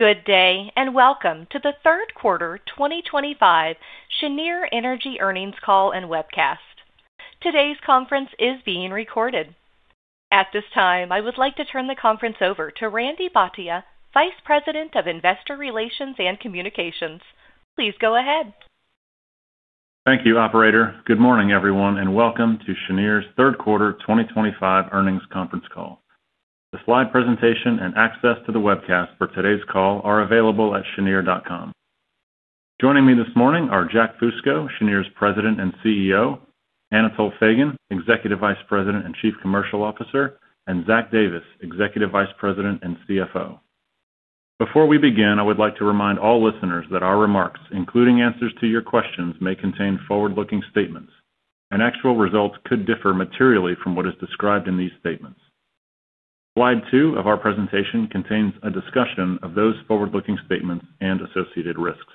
Good day and welcome to the Third Quarter 2025 Cheniere Energy Earnings Call and Webcast. Today's conference is being recorded. At this time, I would like to turn the conference over to Randy Bhatia, Vice President of Investor Relations and Communications. Please go ahead. Thank you. Operator, good morning everyone and welcome to Cheniere's Third Quarter 2025 Earnings Conference Call. The slide presentation and access to the webcast for today's call are available at cheniere.com. Joining me this morning are Jack Fusco, Cheniere's President and CEO, Anatol Feygin, Executive Vice President and Chief Commercial Officer, and Zach Davis, Executive Vice President and CFO. Before we begin, I would like to remind all listeners that our remarks, including answers to your questions, may contain forward-looking statements and actual results could differ materially from what is described in these statements. Slide two of our presentation contains a discussion of those forward-looking statements and associated risks.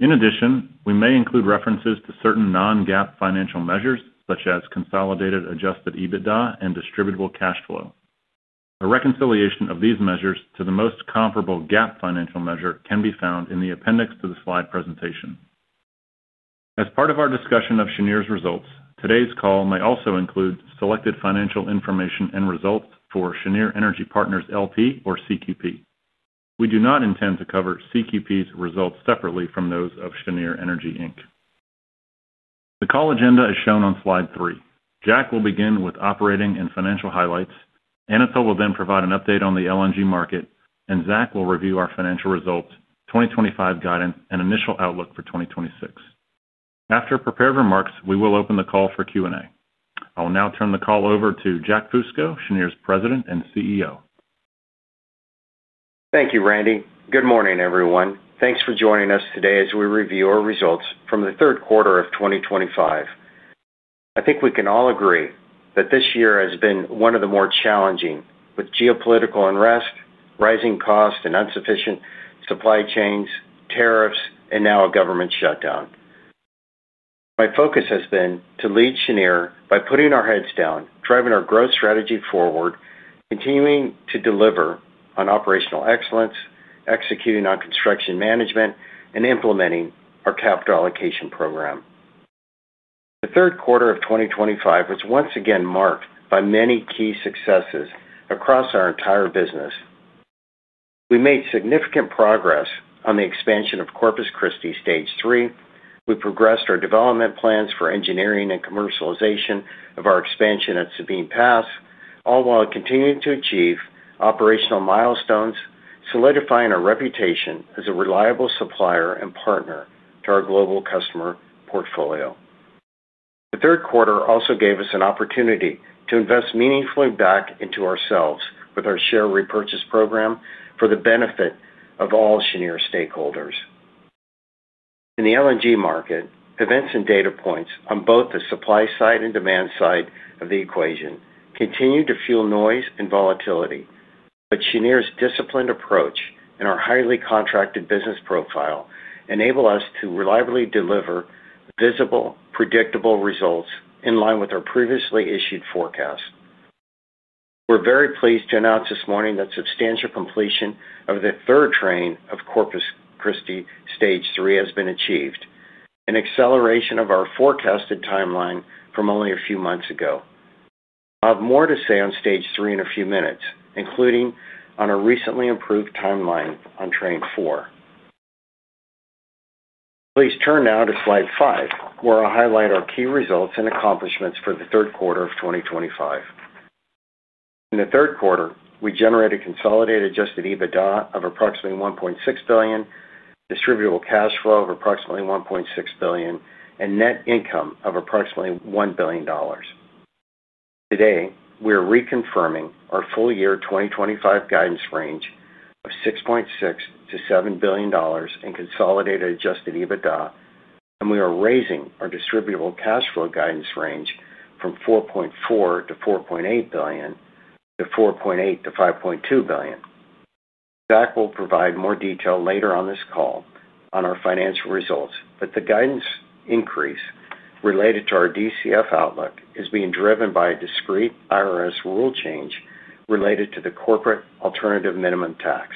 In addition, we may include references to certain non-GAAP financial measures such as consolidated adjusted EBITDA and distributable cash flow. A reconciliation of these measures to the most comparable GAAP financial measure can be found in the appendix to the slide presentation. As part of our discussion of Cheniere's results, today's call may also include selected financial information and results for Cheniere Energy Partners, LP or CQP. We do not intend to cover CQP's results separately from those of Cheniere Energy, Inc. The call agenda is shown on slide three. Jack will begin with operating and financial highlights, Anatol will then provide an update on the LNG market, and Zach will review our financial results, 2025 guidance, and initial outlook for 2026. After prepared remarks, we will open the call for Q&A. I will now turn the call over to Jack Fusco, Cheniere's President and CEO. Thank you, Randy. Good morning, everyone. Thanks for joining us today. As we review our results from the third quarter of 2025, I think we can all agree that this year has been one of the more challenging, with geopolitical unrest, rising costs and insufficient supply chains, tariffs, and now a government shutdown. My focus has been to lead Cheniere by putting our heads down, driving our growth strategy forward, continuing to deliver on operational excellence, executing on construction management, and implementing our capital allocation program. The third quarter of 2025 was once again marked by many key successes. Across our entire business, we made significant progress on the expansion of Corpus Christi Stage 3. We progressed our development plans for engineering and commercialization of our expansion at Sabine Pass, all while continuing to achieve operational milestones, solidifying our reputation as a reliable supplier and partner to our global customer portfolio. The third quarter also gave us an opportunity to invest meaningfully back into ourselves with our share repurchase program for the benefit of all Cheniere stakeholders in the LNG market. Events and data points on both the supply side and demand side of the equation continue to fuel noise and volatility, but Cheniere's disciplined approach and our highly contracted business profile enable us to reliably deliver visible, predictable results in line with our previously issued forecast. We're very pleased to announce this morning that substantial completion of the third train of Corpus Christi Stage 3 has been achieved, an acceleration of our forecasted timeline from only a few months ago. I'll have more to say on Stage 3 in a few minutes, including on a recently improved timeline on Train 4. Please turn now to slide five, where I highlight our key results and accomplishments for the third quarter of 2025. In the third quarter, we generated consolidated adjusted EBITDA of approximately $1.6 billion, distributable cash flow of approximately $1.6 billion, and net income of approximately $1 billion. Today, we are reconfirming our full year 2025 guidance range of $6.6 billion-$7 billion in consolidated adjusted EBITDA, and we are raising our distributable cash flow guidance range from $4.4 billion-$4.8 billion to $4.8 billion-$5.2 billion. Zach will provide more detail later on this call on our financial results, but the guidance increase related to our DCF outlook is being driven by a discrete IRS rule change related to the Corporate Alternative Minimum Tax.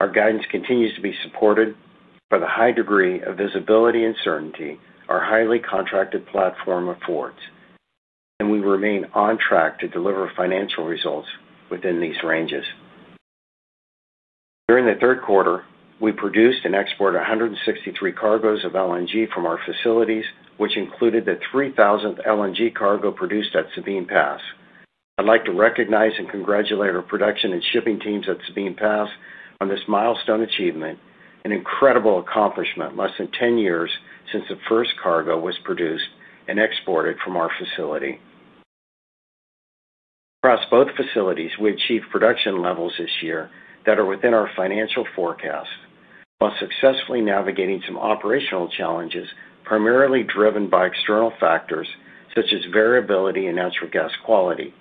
Our guidance continues to be supported by the high degree of visibility and certainty our highly contracted platform affords, and we remain on track to deliver financial results within these ranges. During the third quarter, we produced and exported 163 cargoes of LNG from our facilities, which included the 3,000th LNG cargo produced at Sabine Pass. I'd like to recognize and congratulate our production and shipping teams at Sabine Pass on this milestone achievement, an incredible accomplishment less than 10 years since the first cargo was produced and exported from our facility. Across both facilities, we achieved production levels this year that are within our financial forecast while successfully navigating some operational challenges primarily driven by external factors such as variability in natural gas quality.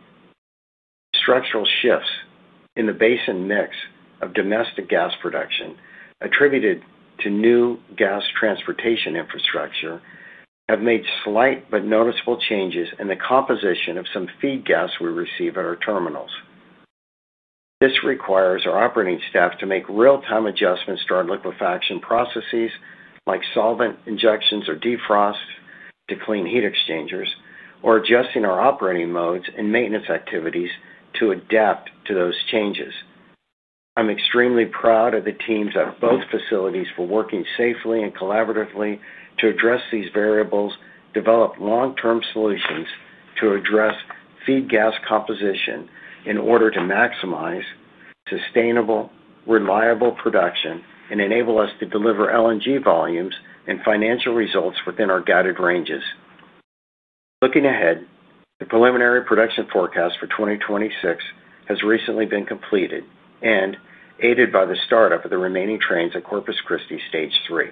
Structural shifts in the basin mix of domestic gas production attributed to new gas transportation infrastructure have made slight but noticeable changes in the composition of some feed gas we receive at our terminals. This requires our operating staff to make real-time adjustments to our liquefaction processes like solvent injections or defrost to clean heat exchangers, or adjusting our operating modes and maintenance activities to adapt to those changes. I'm extremely proud of the teams at both facilities for working safely and collaboratively to address these variables, develop long-term solutions to address feed gas composition in order to maximize sustainable, reliable production and enable us to deliver LNG volumes and financial results within our guided ranges. Looking ahead, the preliminary production forecast for 2026 has recently been completed and aided by the startup of the remaining trains at Corpus Christi Stage 3.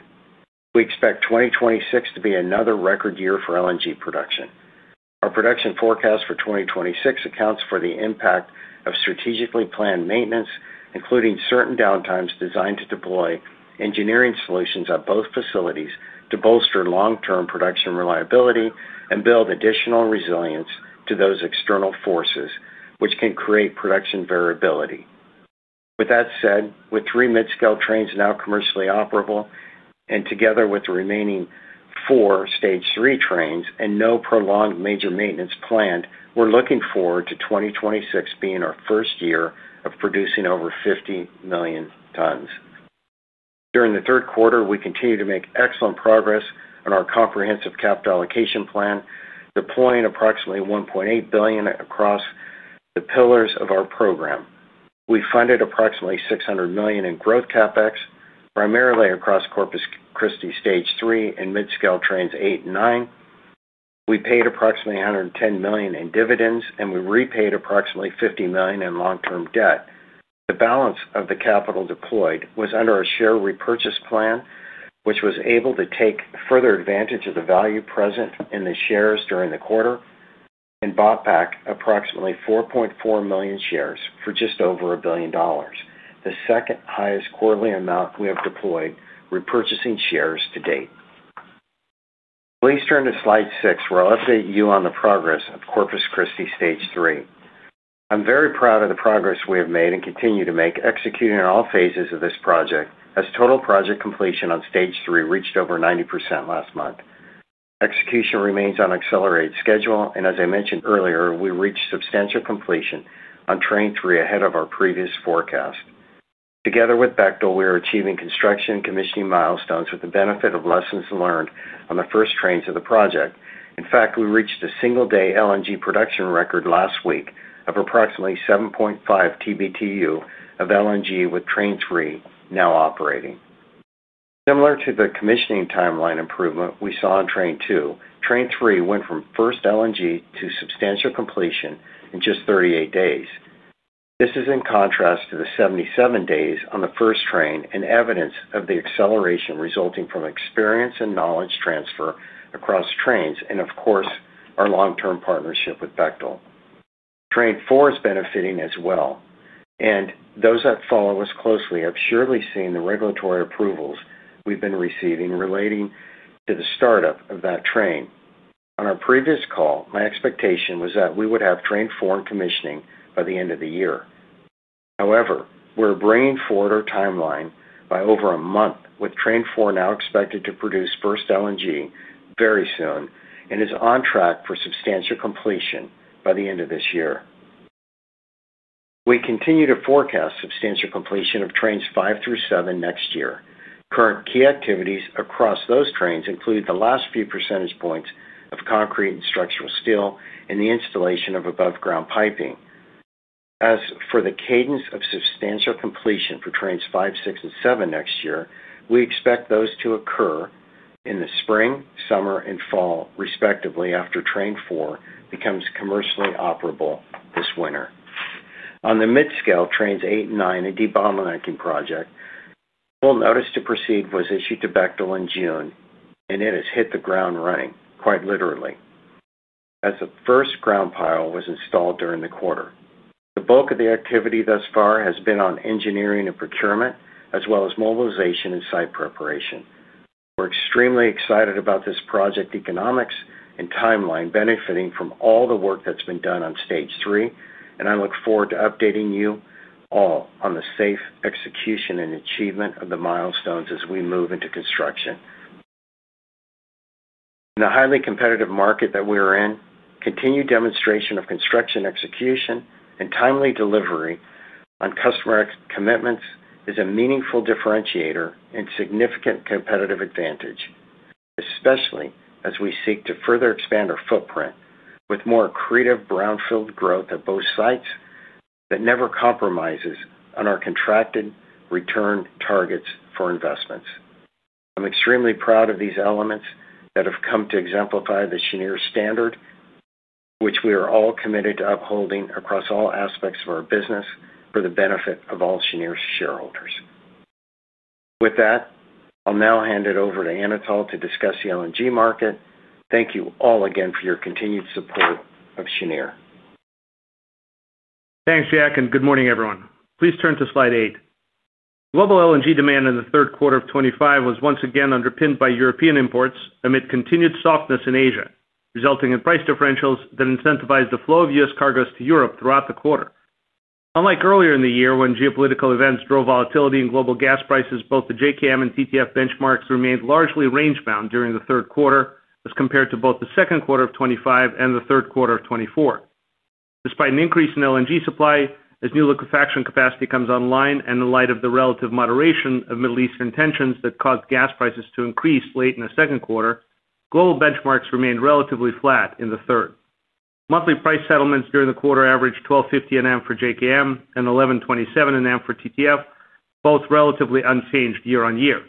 We expect 2026 to be another record year for LNG production. Our production forecast for 2026 accounts for the impact of strategically planned maintenance, including certain downtimes designed to deploy engineering solutions at both facilities to bolster long-term production reliability and build additional resilience to those external forces which can create production variability. With that said, with three mid-scale trains now commercially operable and together with the remaining four Stage 3 trains and no prolonged major maintenance planned, we're looking forward to 2026 being our first year of producing over 50 million tons. During the third quarter, we continue to make excellent progress on our Comprehensive Capital Allocation plan, deploying approximately $1.8 billion across the pillars of our program. We funded approximately $600 million in growth CapEx, primarily across Corpus Christi Stage 3 and mid-scale trains 8 and 9. We paid approximately $110 million in dividends, and we repaid approximately $50 million in long term debt. The balance of the capital deployed was under a share repurchase plan, which was able to take further advantage of the value present in the shares during the quarter and bought back approximately 4.4 million shares for just over $1 billion, the second highest quarterly amount we have deployed repurchasing shares to date. Please turn to slide six where I'll update you on the progress of Corpus Christi Stage 3. I'm very proud of the progress we have made and continue to make executing all phases of this project. As total project completion on Stage 3 reached over 90% last month, execution remains on accelerated schedule, and as I mentioned earlier, we reached substantial completion on Train 3 ahead of our previous forecast. Together with Bechtel, we are achieving construction and commissioning milestones with the benefit of lessons learned on the first trains of the project. In fact, we reached a single-day LNG production record last week of approximately 7.5 TBtu of LNG with Train 3 now operating. Similar to the commissioning timeline improvement we saw in Train 2, Train 3 went from first LNG to substantial completion in just 38 days. This is in contrast to the 77 days on the first train and evidence of the acceleration resulting from experience and knowledge transfer across trains. Of course, our long term partnership with Bechtel. Train 4 is benefiting as well, and those that follow us closely have surely seen the regulatory approvals we've been receiving relating to the start-up of that train. On our previous call, my expectation was that we would have Train 4 in commissioning by the end of the year. However, we're bringing forward our timeline by over a month. With Train 4 now expected to produce first LNG very soon and is on track for substantial completion by the end of this year, we continue to forecast substantial completion of Trains 5 through 7 next year. Current key activities across those trains include the last few percentage points of concrete and structural steel and the installation of above-ground piping. As for the cadence of substantial completion for Trains 5, 6, and 7 next year, we expect those to occur in the spring, summer, and fall respectively, after Train 4 becomes commercially operable this winter. On the mid-scale Trains 8 and 9, a debottlenecking project, full notice to proceed was issued to Bechtel in June and it has hit the ground running quite literally as the first ground pile was installed during the quarter. The bulk of the activity thus far has been on engineering and procurement as well as mobilization and site preparation. We're extremely excited about this project economics and timeline benefiting from all the work that's been done on Stage 3, and I look forward to updating you all on the safe execution and achievement of the milestones as we move into construction. In the highly competitive market that we are in, continued demonstration of construction execution and timely delivery on customer commitments is a meaningful differentiator and significant competitive advantage, especially as we seek to further expand our footprint with more accretive brownfield growth at both sites that never compromises on our contracted return targets for investments. I'm extremely proud of these elements that have come to exemplify the Cheniere standard, which we are all committed to upholding across all aspects of our business for the benefit of all Cheniere shareholders. With that, I'll now hand it over to Anatol to discuss the LNG market. Thank you all again for your continued support of Cheniere. Thanks Jack and good morning everyone. Please turn to slide eight. Global LNG demand in the third quarter of 2025 was once again underpinned by European imports amid continued softness in Asia, resulting in price differentials that incentivized the flow of U.S. cargoes to Europe throughout the quarter. Unlike earlier in the year when geopolitical events drove volatility in global gas prices, both the JKM and TTF benchmarks remained largely range-bound during the third quarter as compared to both the second quarter of 2025 and the third quarter of 2024. Despite an increase in LNG supply as new liquefaction capacity comes online, and in light of the relative moderation of Middle Eastern tensions that caused gas prices to increase late in the second quarter, global benchmarks remained relatively flat in the third. Monthly price settlements during the quarter averaged $12.50 an MM for JKM and $11.27 an MM for TTF, both relatively unchanged year-over-year.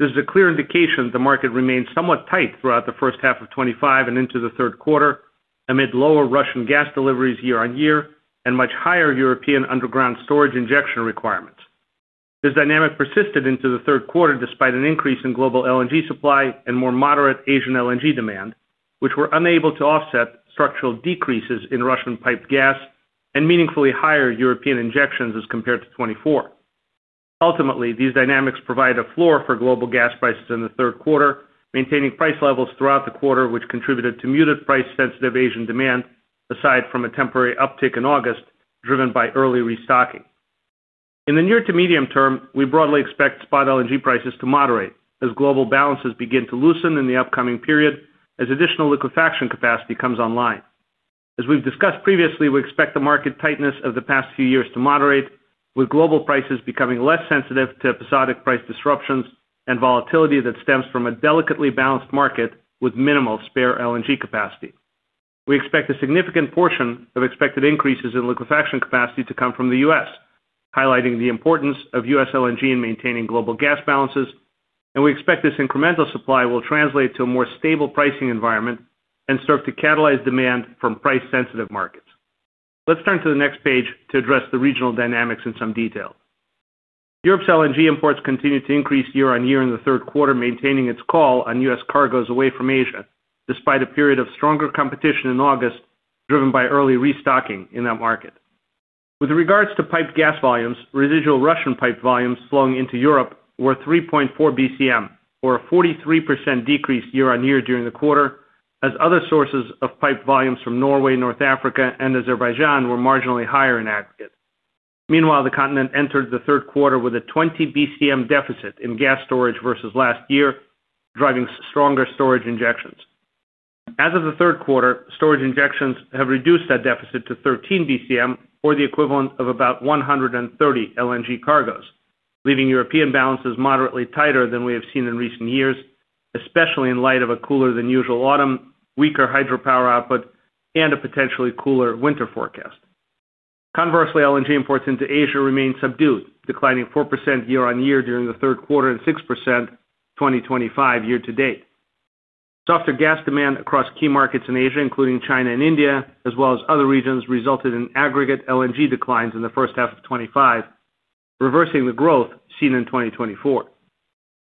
This is a clear indication the market remains somewhat tight throughout the first half of 2025 and into the third quarter amid lower Russian gas deliveries year-over-year and much higher European underground storage injection requirements. This dynamic persisted into the third quarter despite an increase in global LNG supply and more moderate Asian LNG demand, which were unable to offset structural decreases in Russian piped gas and meaningfully higher European injections as compared to 2024. Ultimately, these dynamics provide a floor for global gas prices in the third quarter and maintaining price levels throughout the quarter, which contributed to muted price-sensitive Asian demand. Aside from a temporary uptick in August driven by early restocking in the near to medium term, we broadly expect spot LNG prices to moderate as global balances begin to loosen in the upcoming period as additional liquefaction capacity comes online. As we've discussed previously, we expect the market tightness of the past few years to moderate, with global prices becoming less sensitive to episodic price disruptions and volatility that stems from a delicately balanced market with minimal spare LNG capacity. We expect a significant portion of expected increases in liquefaction capacity to come from the U.S. highlighting the importance of U.S. LNG in maintaining global gas balances, and we expect this incremental supply will translate to a more stable pricing environment and serve to catalyze demand from price-sensitive markets. Let's turn to the next page to address the regional dynamics in some detail. Europe's LNG imports continued to increase year-over-year in the third quarter, maintaining its call on U.S. cargoes away from Asia despite a period of stronger competition in August driven by early restocking in that market. With regards to piped gas volumes, residual Russian pipe volumes flowing into Europe were 3.4 bcm, or a 43% decrease year-over-year during the quarter as other sources of pipe volumes from Norway, North Africa, and Azerbaijan were marginally higher in aggregate. Meanwhile, the continent entered the third quarter with a 20 bcm deficit in gas storage versus last year, driving stronger storage injections. As of the third quarter, storage injections have reduced that deficit to 13 bcm, or the equivalent of about 130 LNG cargoes, leaving European balances moderately tighter than we have seen in recent years, especially in light of a cooler than usual autumn, weaker hydropower output, and a potentially cooler winter forecast. Conversely, LNG imports into Asia remained subdued, declining 4% year-over-year during the third quarter and 6% 2025 year-to-date. Softer gas demand across key markets in Asia, including China and India as well as other regions, resulted in aggregate LNG declines in the first half of 2025, reversing the growth seen in 2024.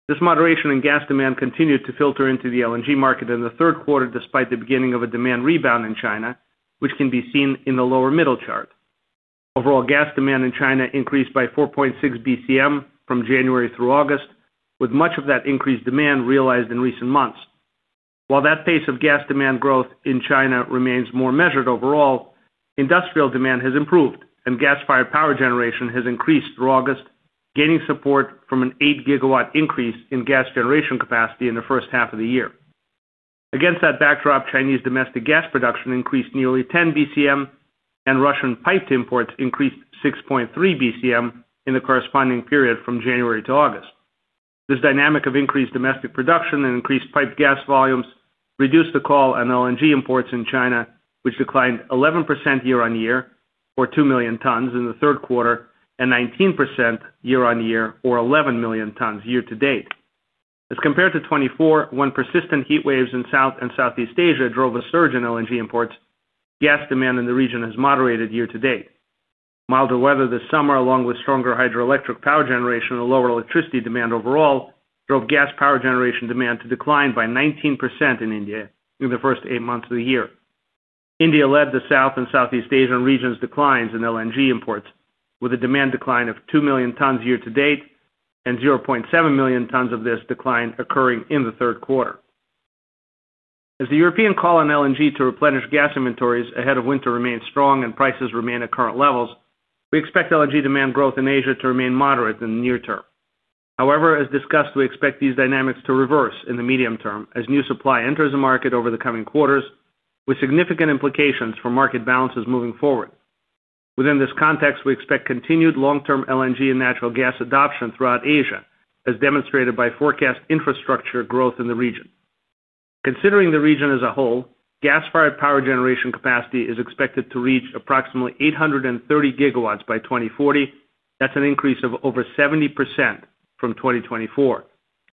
This moderation in gas demand continued to filter into the LNG market in the third quarter despite the beginning of a demand rebound in China, which can be seen in the lower middle chart. Overall gas demand in China increased by 4.6 bcm from January through August, with much of that increased demand realized in recent months. While that pace of gas demand growth in China remains more measured, overall industrial demand has improved and gas-fired power generation has increased through August, gaining support from an 8 GW increase in gas generation capacity in the first half of the year. Against that backdrop, Chinese domestic gas production increased nearly 10 bcm and Russian piped imports increased 6.3 bcm in the corresponding period from January to August. This dynamic of increased domestic production and increased pipe gas volumes reduced the call on LNG imports in China, which declined 11% year-over-year or 2 million tons in the third quarter and 19% year-over-year or 11 million tons year-to-date as compared to 2024 when persistent heat waves in South and Southeast Asia drove a surge in LNG imports. Gas demand in the region has moderated year-to-date. Milder weather this summer, along with stronger hydroelectric power generation and lower electricity demand overall, drove gas power generation demand to decline by 19% in India in the first eight months of the year. India led the South and Southeast Asian region's declines in LNG imports with a demand decline of 2 million tons year-to-date, and 0.7 million tons of this decline occurring in the third quarter. As the European call on LNG to replenish gas inventories ahead of winter remains strong and prices remain at current levels, we expect LNG demand growth in Asia to remain moderate in the near term. However, as discussed, we expect these dynamics to reverse in the medium term as new supply enters the market over the coming quarters, with significant implications for market balances moving forward. Within this context, we expect continued long-term LNG and natural gas adoption throughout Asia as demonstrated by forecast infrastructure growth in the region. Considering the region as a whole, gas-fired power generation capacity is expected to reach approximately 830 GW by 2040. That's an increase of over 70% from 2024,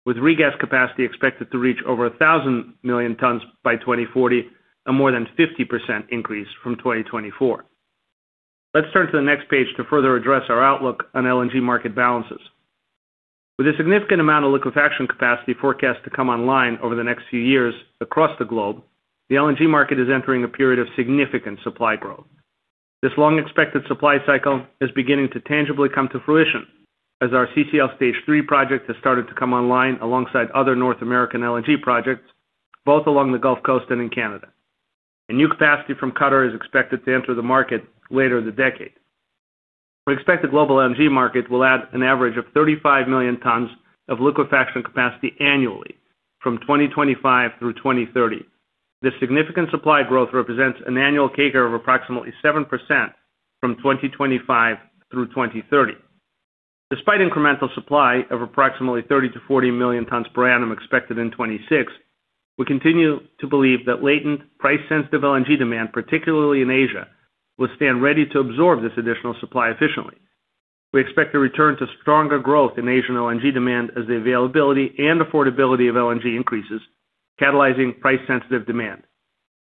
with regas capacity expected to reach over 1,000 million tons by 2040, a more than 50% increase from 2024. Let's turn to the next page to further address our outlook on LNG market balances. With a significant amount of liquefaction capacity forecast to come online over the next few years across the globe, the LNG market is entering a period of significant supply growth. This long-expected supply cycle is beginning to tangibly come to fruition as our CCL Stage 3 project has started to come online alongside other North American LNG projects both along the Gulf Coast and in Canada, and new capacity from Qatar is expected to enter the market later in the decade. We expect the global LNG market will add an average of 35 million tons of liquefaction capacity annually from 2025 through 2030. This significant supply growth represents an annual CAGR of approximately 7% from 2025 through 2030. Despite incremental supply of approximately 30 million-40 million tons per annum expected in 2026, we continue to believe that latent price-sensitive LNG demand, particularly in Asia, will stand ready to absorb this additional supply efficiently. We expect a return to stronger growth in Asian LNG demand as the availability and affordability of LNG increases, catalyzing price-sensitive demand.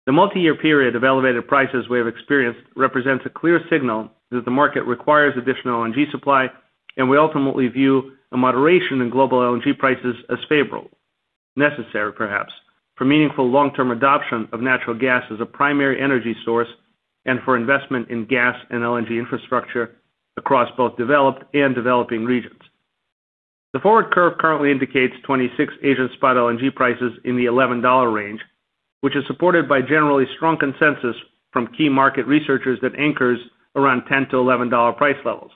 The multi-year period of elevated prices we have experienced represents a clear signal that the market requires additional LNG supply, and we ultimately view a moderation in global LNG prices as favorable, necessary perhaps for meaningful long-term adoption of natural gas as a primary energy source and for investment in gas and LNG infrastructure across both developed and developing regions. The forward curve currently indicates 2026 Asian spot LNG prices in the $11 range, which is supported by generally strong consensus from key market researchers that anchors around $10-$11 price levels.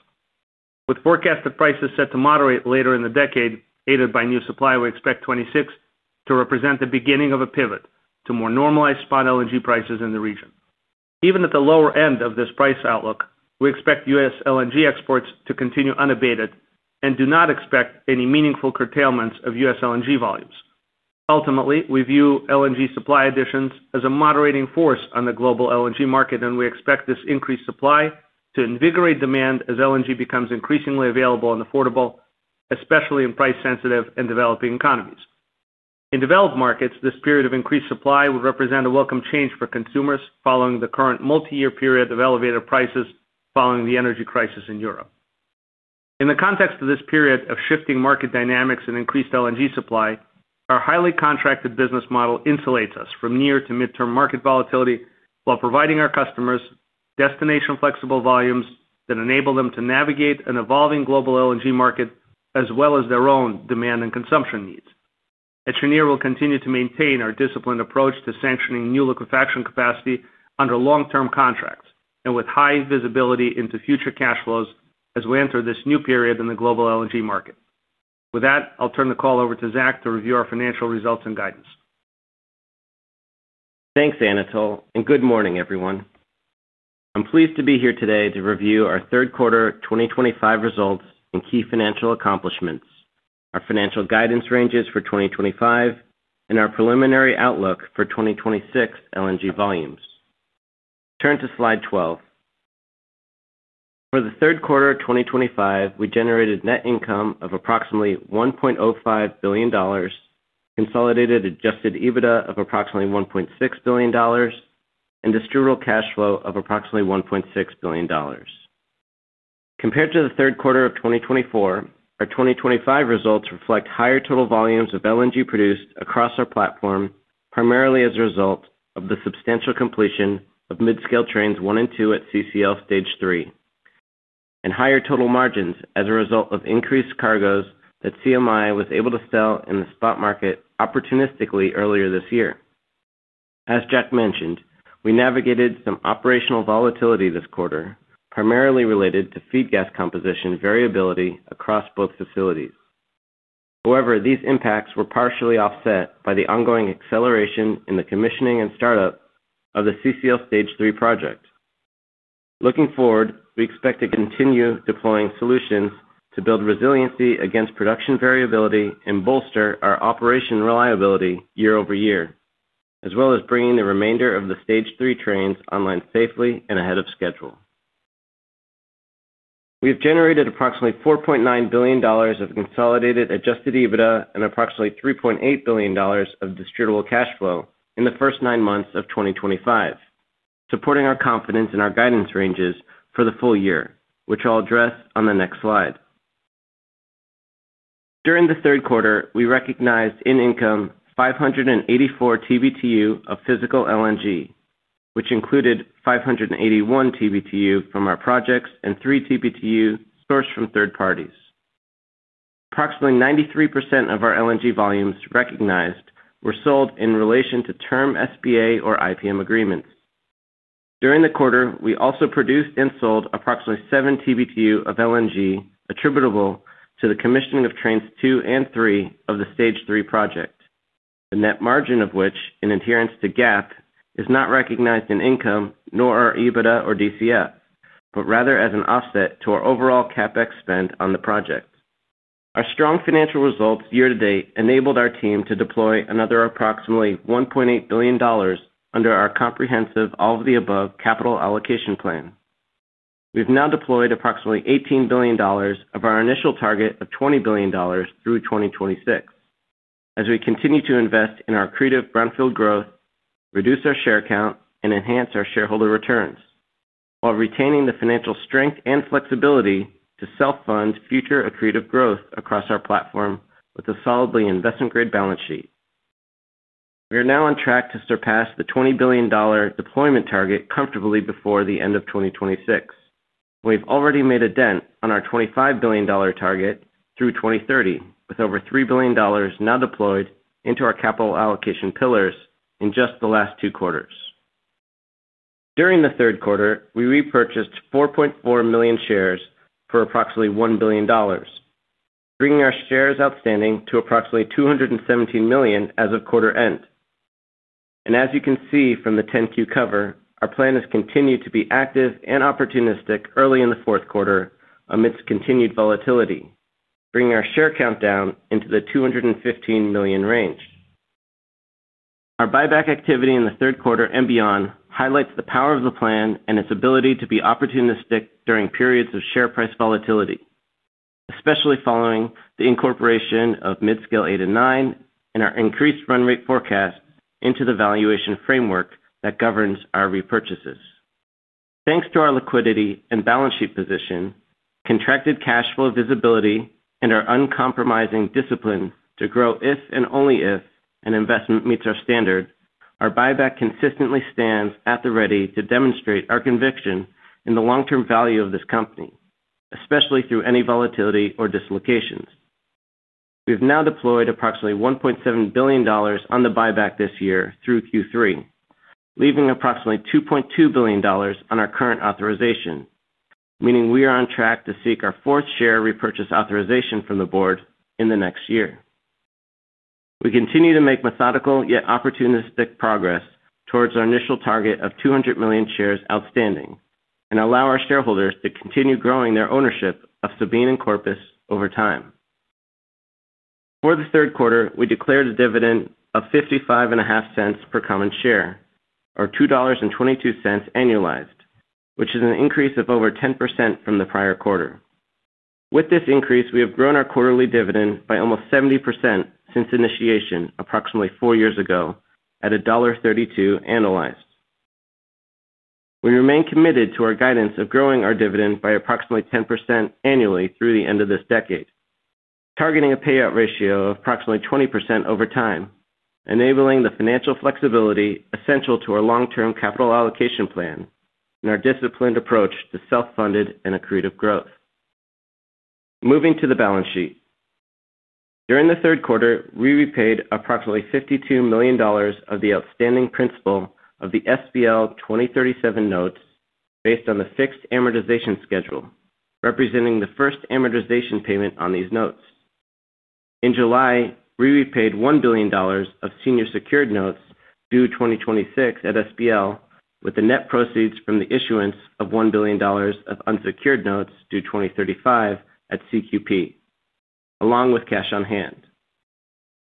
With forecasted prices set to moderate later in the decade aided by new supply, we expect 2026 to represent the beginning of a pivot to more normalized spot LNG prices in the region. Even at the lower end of this price outlook, we expect U.S. LNG exports to continue unabated and do not expect any meaningful curtailments of U.S. LNG volumes. Ultimately, we view LNG supply additions as a moderating force on the global LNG market, and we expect this increased supply to invigorate demand as LNG becomes increasingly available and affordable, especially in price-sensitive and developing economies. In developed markets, this period of increased supply would represent a welcome change for consumers following the current multi-year period of elevated prices following the energy crisis in Europe. In the context of this period of shifting market dynamics and increased LNG supply, our highly contracted business model insulates us from near- to mid-term market volatility while providing our customers destination-flexible volumes that enable them to navigate an evolving global LNG market as well as their own demand and consumption needs. At Cheniere, we will continue to maintain our disciplined approach to sanctioning new liquefaction capacity under long-term contracts and with high visibility into future cash flows as we enter this new period in the global LNG market. With that, I'll turn the call over to Zach to review our financial results and guidance. Thanks Anatol and good morning everyone. I'm pleased to be here today to review our third quarter 2025 results and key financial accomplishments. Our financial guidance ranges for 2025 and our preliminary outlook for 2026 LNG volumes turn to slide 12. For the third quarter 2025, we generated net income of approximately $1.05 billion, consolidated adjusted EBITDA of approximately $1.6 billion, and distributable cash flow of approximately $1.6 billion. Compared to the third quarter of 2024, our 2025 results reflect higher total volumes of LNG produced across our platform, primarily as a result of the substantial completion of mid-scale Trains 1 and 2 at CCL Stage 3 and higher total margins as a result of increased cargoes that CMI was able to sell in the spot market opportunistically earlier this year. As Jack mentioned, we navigated some operational volatility this quarter primarily related to feed gas composition variability across both facilities. However, these impacts were partially offset by the ongoing acceleration in the commissioning and start-up of the CCL Stage 3 project. Looking forward, we expect to continue deploying solutions to build resiliency against production variability and bolster our operation reliability year-over-year, as well as bringing the remainder of the Stage 3 trains online safely and ahead of schedule. We have generated approximately $4.9 billion of consolidated adjusted EBITDA and approximately $3.8 billion of distributable cash flow in the first nine months of 2025, supporting our confidence in our guidance ranges for the full year, which I'll address on the next slide. During the third quarter, we recognized in income 584 TBtu of physical LNG, which included 581 TBtu from our projects and 3 TBtu sourced from third parties. Approximately 93% of our LNG volumes recognized were sold in relation to term SPA or IPM agreements. During the quarter, we also produced and sold approximately 7 TBtu of LNG attributable to the commissioning of Trains 2 and 3 of the Stage 3 project, the net margin of which in adherence to GAAP is not recognized in income nor our EBITDA or DCF, but rather as an offset to our overall CapEx spend on the project. Our strong financial results year-to-date enabled our team to deploy another approximately $1.8 billion under our comprehensive all-of-the-above capital allocation plan. We've now deployed approximately $18 billion of our initial target of $20 billion through 2026 as we continue to invest in our accretive brownfield growth, reduce our share count, and enhance our shareholder returns while retaining the financial strength and flexibility to self-fund future accretive growth across our platform. With a solidly investment-grade balance sheet, we are now on track to surpass the $20 billion deployment target comfortably before the end of 2026. We've already made a dent on our $25 billion target through 2030 with over $3 billion now deployed into our capital allocation pillars in just the last two quarters. During the third quarter, we repurchased 4.4 million shares for approximately $1 billion, bringing our shares outstanding to approximately 217 million as of quarter end. As you can see from the 10-Q cover, our plan has continued to be active and opportunistic early in the fourth quarter amidst continued volatility, bringing our share count down into the 215 million range. Our buyback activity in the third quarter and beyond highlights the power of the plan and its ability to be opportunistic during periods of share price volatility, especially following the incorporation of mid-scale 8 and 9 and our increased run rate forecast into the valuation framework that governs our repurchases. Thanks to our liquidity and balance sheet position, contracted cash flow visibility, and our uncompromising discipline to grow if and only if an investment meets our standard, our buyback consistently stands at the ready to demonstrate our conviction in the long-term value of this company, especially through any volatility or dislocations. We have now deployed approximately $1.7 billion on the buyback this year through Q3, leaving approximately $2.2 billion on our current authorization, meaning we are on track to seek our fourth share repurchase authorization from the Board in the next year. We continue to make methodical yet opportunistic progress towards our initial target of 200 million shares outstanding and allow our shareholders to continue growing their ownership of Sabine and Corpus over time. For the third quarter, we declared a dividend of $0.555 per common share or $2.22 annualized, which is an increase of over 10% from the prior quarter. With this increase, we have grown our quarterly dividend by almost 70% since initiation approximately four years ago at $1.32 annualized. We remain committed to our guidance of growing our dividend by approximately 10% annually through the end of this decade, targeting a payout ratio of approximately 20% over time, enabling the financial flexibility essential to our long-term capital allocation plan and our disciplined approach to self-funded and accretive growth. Moving to the balance sheet, during the third quarter we repaid approximately $52 million of the outstanding principal of the SPL 2037 notes based on the fixed amortization schedule, representing the first amortization payment on these notes. In July, we repaid $1 billion of senior secured notes due 2026 at SPL with the net proceeds from the issuance of $1 billion of unsecured notes due 2035 at CQP along with cash on hand.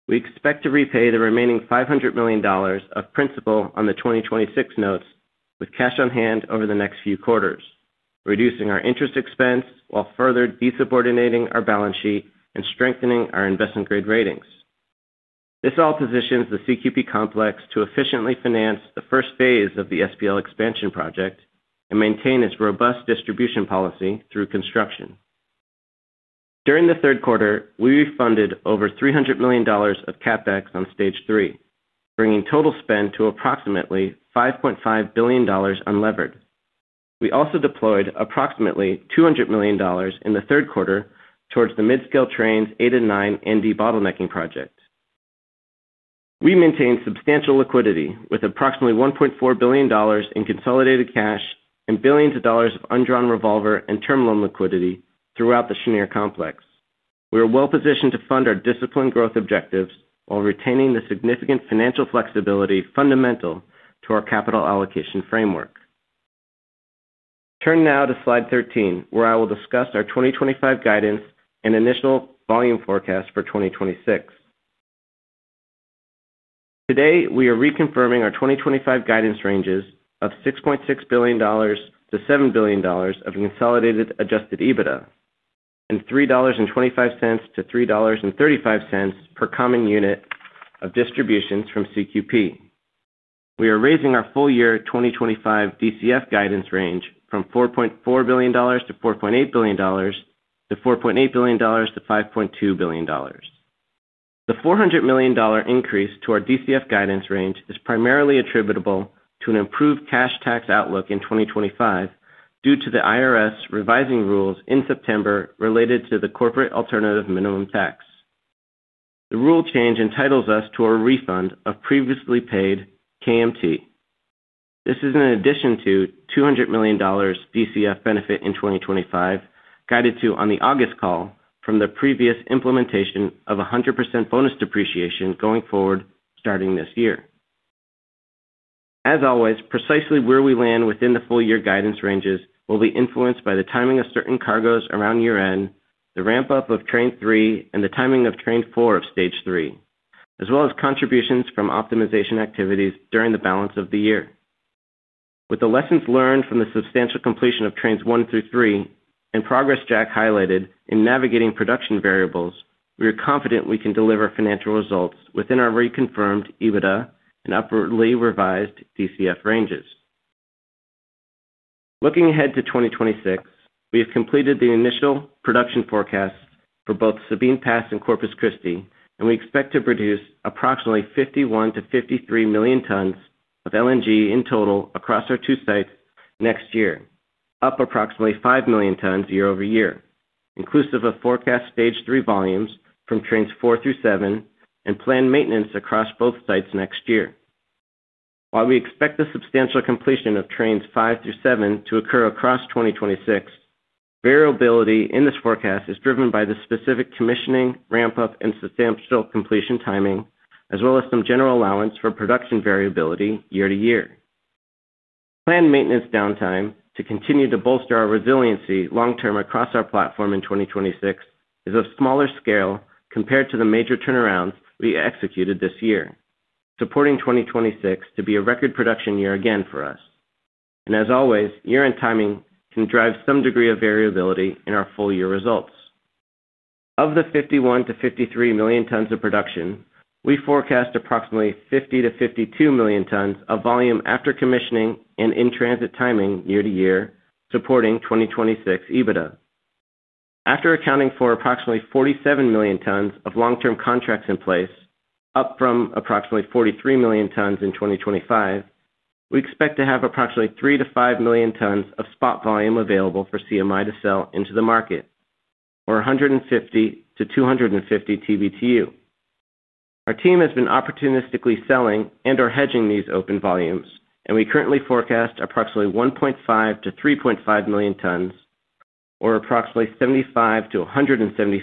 We expect to repay the remaining $500 million of principal on the 2026 notes with cash on hand over the next few quarters, reducing our interest expense while further desubordinating our balance sheet and strengthening our investment-grade ratings. This all positions the CQP complex to efficiently finance the first phase of the SPL expansion project and maintain its robust distribution policy through construction. During the third quarter, we refunded over $300 million of CapEx on Stage 3, bringing total spend to approximately $5.5 billion unlevered. We also deployed approximately $200 million in the third quarter towards the mid-scale trains 8 and 9 and debottlenecking project. We maintained substantial liquidity with approximately $1.4 billion in consolidated cash and billions of dollars of undrawn revolver and term loan liquidity throughout the Cheniere complex. We are well positioned to fund our disciplined growth objectives while retaining the significant financial flexibility fundamental to our capital allocation framework. Turn now to slide 13 where I will discuss our 2025 guidance and initial volume forecast for 2026. Today we are reconfirming our 2025 guidance ranges of $6.6 billion-$7 billion of consolidated adjusted EBITDA and $3.25-$3.35 per common unit of distributions from CQP. We are raising our full-year 2025 DCF guidance range from $4.4 billion-$4.8 billion to $4.8 billion-$5.2 billion. The $400 million increase to our DCF guidance range is primarily attributable to an improved cash tax outlook in 2025 due to the IRS revising rules in September related to the Corporate Alternative Minimum Tax. The rule change entitles us to a refund of previously paid KMT. This is in addition to the $200 million DCF benefit in 2025 guided to on the August call from the previous implementation of 100% bonus depreciation going forward starting this year. As always, precisely where we land within the full year guidance ranges will be influenced by the timing of certain cargoes around year-end, the ramp-up of Train 3 and the timing of Train 4 of Stage 3, as well as contributions from optimization activities during the balance of the year. With the lessons learned from the substantial completion of Trains 1 through 3 and progress Jack highlighted in navigating production variables, we are confident we can deliver financial results within our reconfirmed EBITDA and upwardly revised DCF ranges. Looking ahead to 2026, we have completed the initial production forecast for both Sabine Pass and Corpus Christi and we expect to produce approximately 51 million-53 million tons of LNG in total across our two sites next year, up approximately 5 million tons year-over-year inclusive of forecast Stage 3 volumes from Trains 4 through 7 and planned maintenance across both sites next year. While we expect the substantial completion of Trains 5 through 7 to occur across 2026, variability in this forecast is driven by the specific commissioning ramp up and substantial completion timing as well as some general allowance for production variability year-to-year. Planned maintenance downtime to continue to bolster our resiliency long term across our platform in 2026 is of smaller scale compared to the major turnarounds we executed this year, supporting 2026 to be a record production year again for us. Year-end timing can drive some degree of variability in our full year results. Of the 51 million-53 million tons of production, we forecast approximately 50 million-52 million tons of volume after commissioning and in-transit timing year-to-year, supporting 2026 EBITDA after accounting for approximately 47 million tons of long-term contracts in place, up from approximately 43 million tons in 2025. We expect to have approximately 3 million-5 million tons of spot volume available for CMI to sell into the market or 150-250 TBtu. Our team has been opportunistically selling and are hedging these open volumes and we currently forecast approximately 1.5 million-3.5 million tons, or approximately 75-175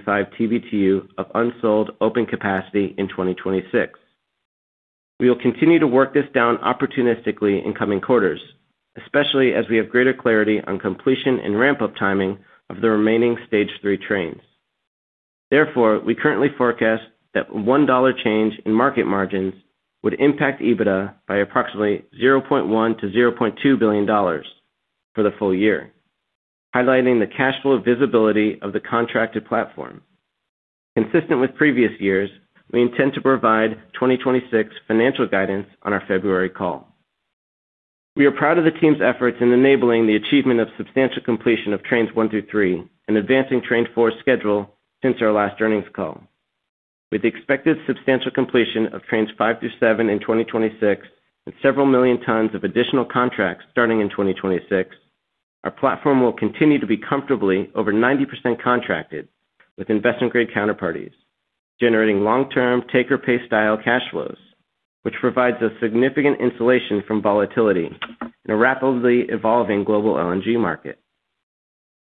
TBtu of unsold open capacity in 2026. We will continue to work this down opportunistically in coming quarters, especially as we have greater clarity on completion and ramp-up timing of the remaining Stage 3 trains. Therefore, we currently forecast that a $1 change in market margins would impact EBITDA by approximately $0.1 billion-$0.2 billion for the full year, highlighting the cash flow visibility of the contracted platform consistent with previous years. We intend to provide 2026 financial guidance on our February call. We are proud of the team's efforts in enabling the achievement of substantial completion of Trains 1 through 3 and advancing Train 4 schedule since our last earnings call. With the expected substantial completion of Trains 5 through 7 in 2026 and several million tons of additional contracts starting in 2026, our platform will continue to be comfortably over 90% contracted with investment-grade counterparties generating long-term take-or-pay style cash flows, which provides us significant insulation from volatility in a rapidly evolving global LNG market.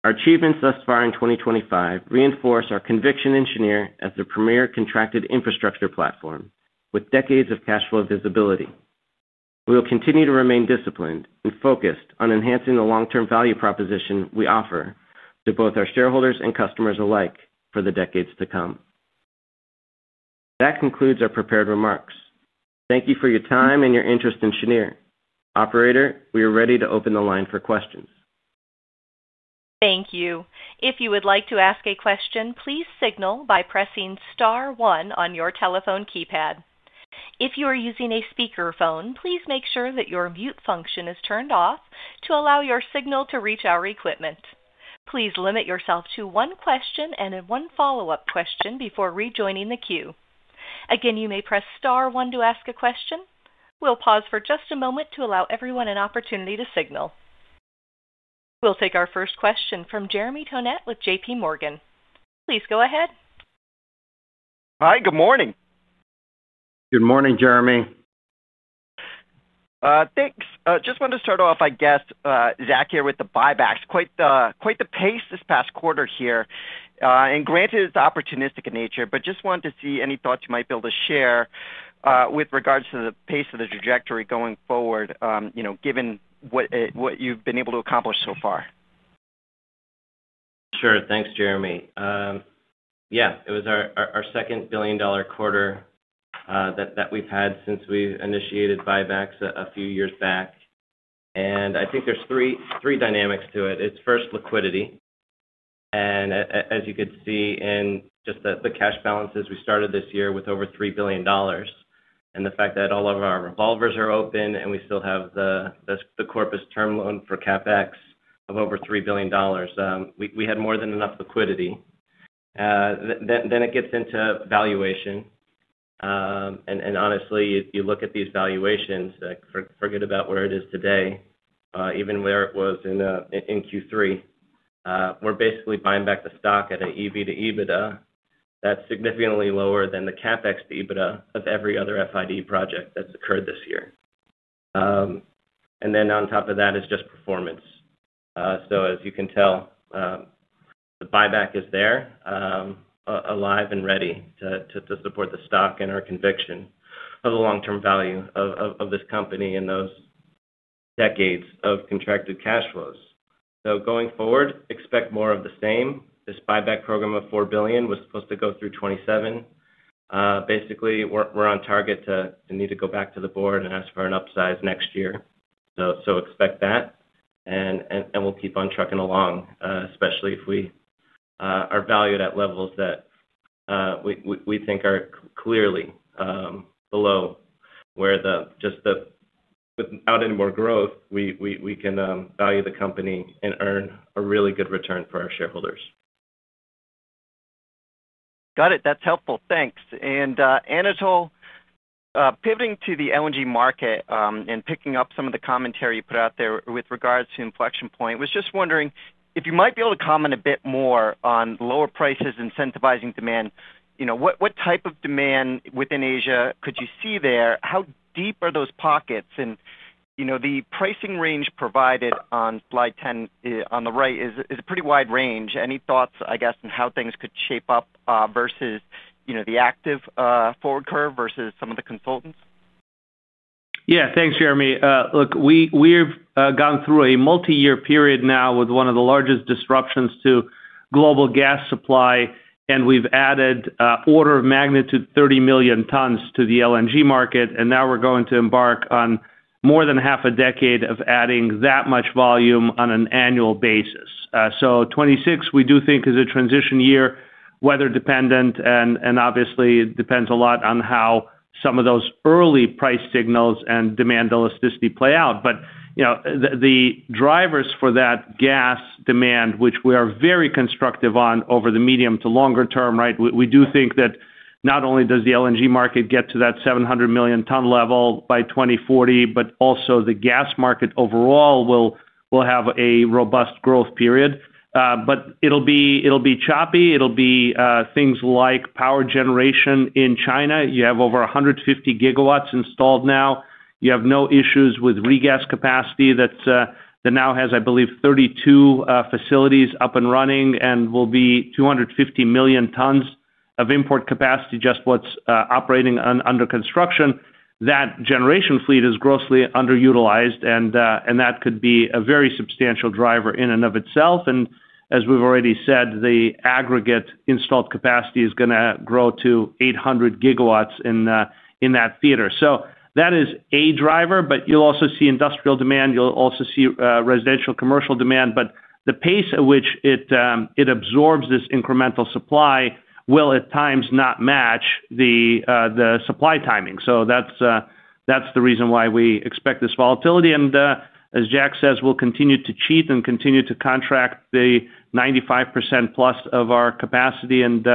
Our achievements thus far in 2025 reinforce our conviction in Cheniere as the premier contracted infrastructure platform with decades of cash flow visibility. We will continue to remain disciplined and focused on enhancing the long-term value proposition we offer to both our shareholders and customers alike for the decades to come. That concludes our prepared remarks. Thank you for your time and your interest in Cheniere. Operator, we are ready to open the line for questions. Thank you. If you would like to ask a question, please signal by pressing star one on your telephone keypad. If you are using a speakerphone, please make sure that your mute function is turned off to allow your signal to reach our equipment. Please limit yourself to one question and one follow-up question before rejoining the queue. Again, you may press star one to ask a question. We'll pause for just a moment to allow everyone an opportunity to signal. We'll take our first question from Jeremy Tonet with JPMorgan. Please go ahead. Hi, good morning. Good morning, Jeremy. Thanks. I just wanted to start off, I guess. Zach here with the buybacks. Quite the pace this past quarter, and granted it's opportunistic in nature, but just wanted to see any thoughts you might be able to share with regards. To the pace of the trajectory going forward, given what you've been able to accomplish so far. Sure. Thanks, Jeremy. Yeah, it was our second billion dollar quarter that we've had since we initiated buybacks a few years back, and I think there's three dynamics to it. It's first liquidity, and as you could see in just the cash balances, we started this year with over $3 billion, and the fact that all of our revolvers are open and we still have the Corpus term loan for CapEx of over $3 billion, we had more than enough liquidity. It gets into valuation, and honestly, you look at these valuations, forget about where it is today, even where it was in Q3, we're basically buying back the stock at an EV to EBITDA that's significantly lower than the CapEx to EBITDA of every other FID project that's occurred this year. On top of that is just performance. As you can tell, the buyback is there, alive and ready to support the stock and our conviction of the long-term value of this company and those decades of contracted cash flows. Going forward, expect more of the same. This buyback program of $4 billion was supposed to go through 2027. Basically, we're on target to need to go back to the Board and ask for an upsize next year. Expect that, and we'll keep on trucking along, especially if we are valued at levels that we think are clearly below where, just out in more growth, we can value the company and earn a really good return for our shareholders. Got it, that's helpful, thanks. Anatol, pivoting to the LNG market. Picking up some of the commentary you put out there with regards to. Inflection point, was just wondering if you. Might be able to comment a bit. More on lower prices, incentivizing demand. You know what type of demand within. Asia, could you see there how deep? Are those pockets and the pricing range provided on slide 10? That is a pretty wide range. Any thoughts, I guess, on how things could shape up versus, you know, the... Active forward curve versus some of the consultants? Yeah, thanks Jeremy. Look, we've gone through a multi-year period now with one of the largest disruptions to global gas supply and we've added order of magnitude 30 million tons to the LNG market and now we're going to embark on more than half a decade of adding that much volume on an annual basis. 2026 we do think is a transition year, weather dependent, and obviously it depends a lot on how some of those early price signals and demand elasticity play out. The drivers for that gas demand, which we are very constructive on over the medium to longer term, right, we do think that not only does the LNG market get to that 700 million ton level by 2040, but also the gas market overall will have a robust growth period. It'll be choppy. It'll be things like power generation. In China, you have over 150 GW installed now. You have no issues with regas capacity. That now has, I believe, 32 facilities up and running and will be 250 million tons of import capacity, just what's operating under construction. That generation fleet is grossly underutilized and that could be a very substantial driver in and of itself. As we've already said, the aggregate installed capacity is going to grow to 800 GW in that theater. That is a driver. You'll also see industrial demand, you'll also see residential commercial demand. The pace at which it absorbs this incremental supply will at times not match the supply timing. That's the reason why we expect this volatility. As Jack says, we'll continue to cheat and continue to contract the 95%+ of our capacity and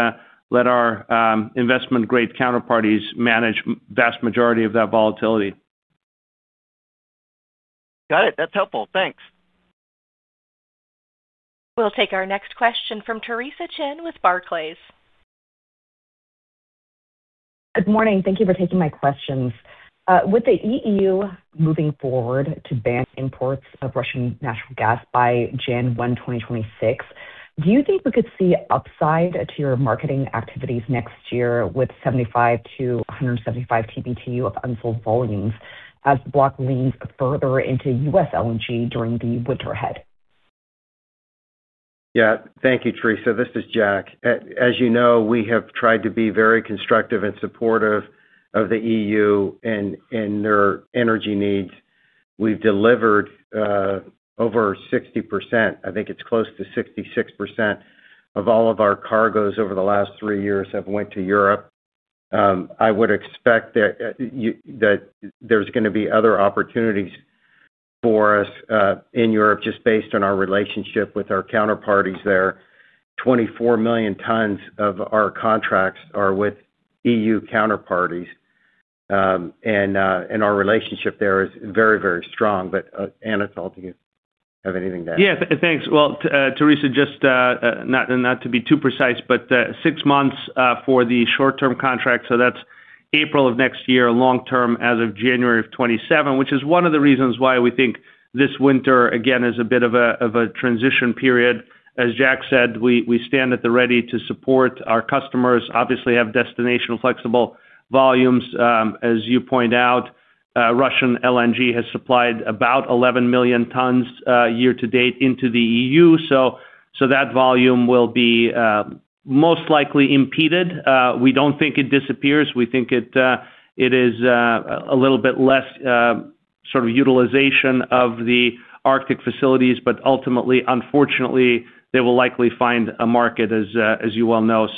let our investment-grade counterparties manage vast majority of that volatility. Got it. That's helpful. Thanks. We'll take our next question from Theresa Chen with Barclays. Good morning. Thank you for taking my questions. With the EU moving forward to ban imports of Russian natural gas by January 1, 2026, do you think we could see upside to your marketing activities next year with 75-175 TBtu of unsold volumes as the block leans further into U.S. LNG during the winter ahead? Yeah, thank you. Theresa, this is Jack. As you know, we have tried to be very constructive and supportive of the EU and their energy needs. We've delivered over 60%. I think it's close to 66% of all of our cargoes over the last three years have gone to Europe. I would expect that there's going to be other opportunities for us in Europe just based on our relationship with our counterparties there. 24 million tons of our contracts are with EU counterparties and our relationship there is very, very strong. Anatol, do you have anything to add? Yeah, thanks. Theresa, just not to be too precise, but six months for the short-term contract, so that's April of next year. Long term as of January of 2027, which is one of the reasons why we think this winter again is a bit of a transition period. As Jack said, we stand at the ready to support our customers. Obviously have destination flexible volumes. As you point out, Russian LNG has supplied about 11 million tons year-to-date into the EU, so that volume will be most likely impeded. We don't think it disappears, we think it is a little bit less sort of utilization of the Arctic facilities. Ultimately, unfortunately they will likely find a market, as you well know.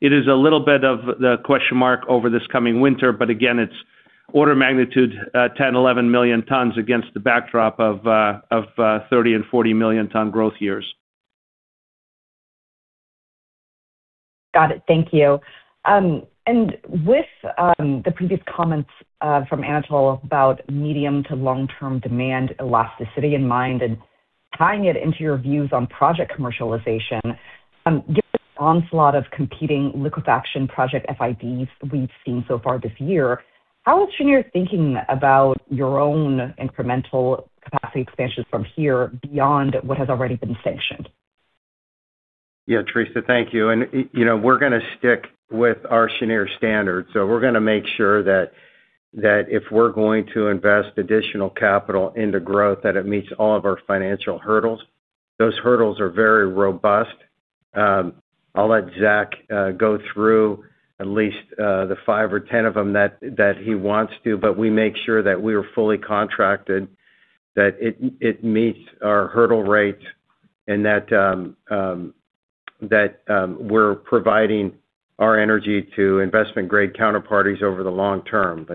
It is a little bit of the question mark over this coming winter. Again, it's order magnitude 10 million, 11 million tons against the backdrop of 30 million and 40 million ton growth years. Got it, thank you. With the previous comments from Anatol about medium to long-term demand elasticity. In mind and tying it into your. Views on project commercialization, given onslaught of competing liquefaction project FIDs we've seen so far this year, how is Cheniere thinking about your own incremental capacity expansion from here beyond what has already been sanctioned? Yeah, Theresa, thank you. You know, we're going to stick with our Cheniere standards. We're going to make sure that if we're going to invest additional capital into growth, that it meets all of our financial hurdles. Those hurdles are very robust. I'll let Zach go through at least the five or 10 of them that he wants to. We make sure that we are fully contracted, that it meets our hurdle rates, and that we're providing our energy to investment-grade counterparties over the long term.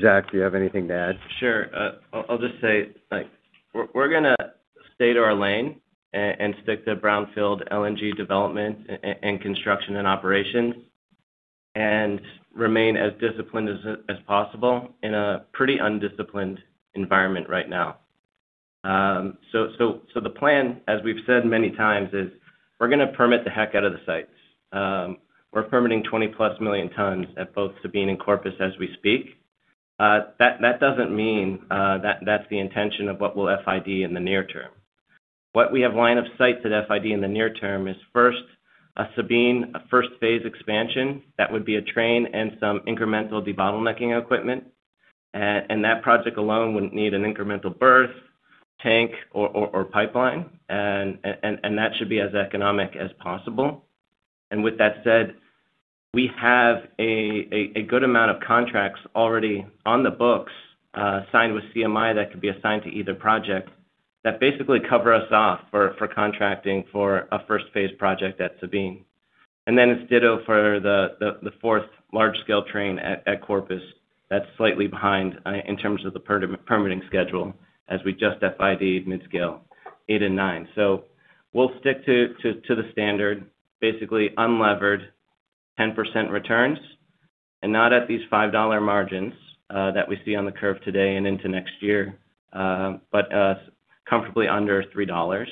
Zach, do you have anything to add? Sure. I'll just say, we're going to stay to our lane and stick to brownfield LNG development and construction and operations and remain as disciplined as possible in a pretty undisciplined environment right now. The plan, as we've said many times, is we're going to permit the heck out of the sites. We're permitting 20+ million tons at both Sabine and Corpus as we speak. That doesn't mean that's the intention of what we'll FID in the near term. What we have line of sight to FID in the near term is first a Sabine first phase expansion. That would be a train and some incremental debottlenecking equipment, and that project alone would need an incremental berth, tank, or pipeline, and that should be as economic as possible. With that said, we have a good amount of contracts already on the books signed with CMI that could be assigned to either project that basically cover us off for contracting for a first phase project at Sabine. It's ditto for the fourth large-scale train at Corpus. That's slightly behind in terms of the permitting schedule as we just FID mid-scale 8 and 9. We'll stick to the standard basically unlevered 10% returns and not at these $5 margins that we see on the curve today and into next year, but comfortably under $3.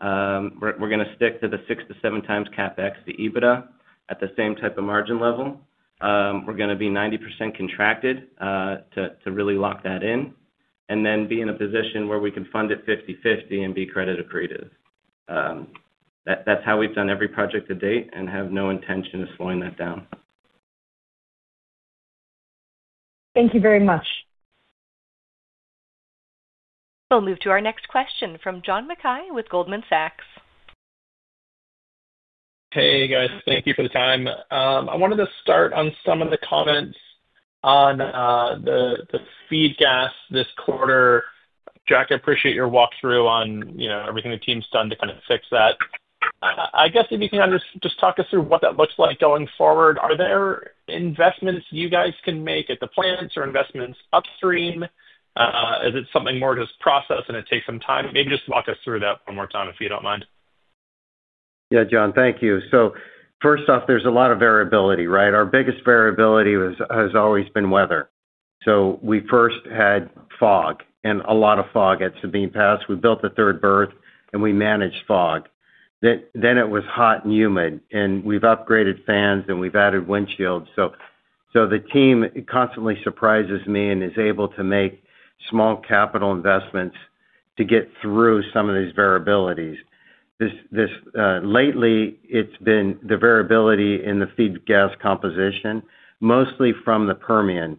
We're going to stick to the 6x-7x CapEx to EBITDA at the same type of margin level. We're going to be 90% contracted to really lock that in and then be in a position where we can fund it 50/50 and be credit accretive. That's how we've done every project to date and have no intention of slowing that down. Thank you very much. We'll move to our next question from John Mackay with Goldman Sachs. Hey guys, thank you for the time. I wanted to start on some of the comments on the feed gas this quarter. Jack, I appreciate your walkthrough on everything the team's done to kind of fix that. I guess if you can just talk us through what that looks like going forward. Are there investments you guys can make at the plants or investments upstream? Is it something more, just process and it takes some time? Maybe just walk us through that one more time if you don't mind. Yeah, John, thank you. First off, there's a lot of variability, right? Our biggest variability has always been weather. We first had fog and a lot of fog at Sabine Pass. We built the third berth and we managed fog. It was hot and humid and we've upgraded fans and we've added windshields. The team constantly surprises me and is able to make small capital investments to get through some of these variabilities. Lately, it's been the variability in the feed gas composition, mostly from the Permian.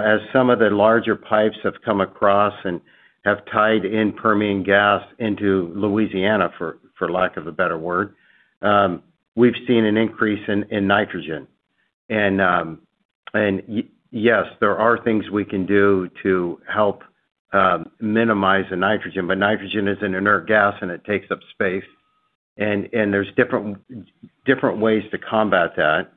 As some of the larger pipes have come across and have tied in Permian gas into Louisiana, for lack of a better word, we've seen an increase in nitrogen and yes, there are things we can do to help minimize the nitrogen. Nitrogen is an inert gas and it takes up space and there are different ways to combat that.